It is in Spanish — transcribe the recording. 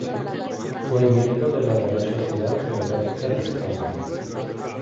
Fue miembro de la Real Sociedad Geográfica de España.